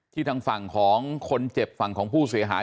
ทางฝั่งของคนเจ็บฝั่งของผู้เสียหาย